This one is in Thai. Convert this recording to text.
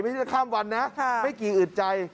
ไม่ที่จะข้ามวันนะไม่กี่อึดใจ